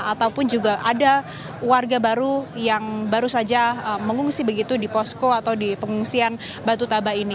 ataupun juga ada warga baru yang baru saja mengungsi begitu di posko atau di pengungsian batu taba ini